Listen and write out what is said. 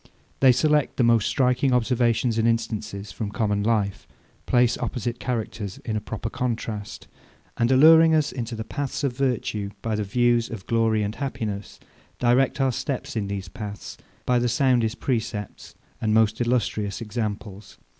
They select the most striking observations and instances from common life; place opposite characters in a proper contrast; and alluring us into the paths of virtue by the views of glory and happiness, direct our steps in these paths by the soundest precepts and most illustrious examples.